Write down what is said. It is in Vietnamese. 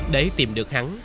để tìm được hắn